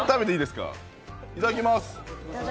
いただきます。